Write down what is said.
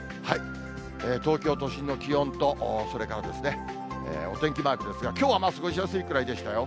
東京都心の気温と、それからお天気マークですが、きょうは過ごしやすいくらいでしたよ。